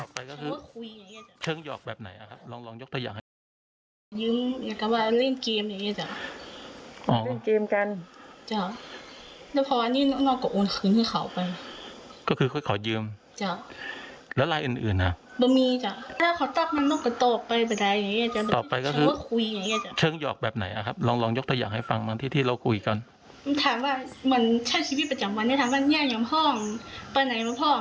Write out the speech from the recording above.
ถามว่ามันใช่ชีวิตประจำวันยังห้องไปไหนมาพ่ออย่างนี้ไม่ได้จ้า